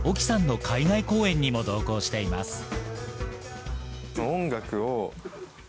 ＯＫＩさんの海外公演にも同行しています。